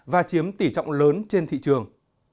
và chiếm tỷ trọng lớn trên thị trường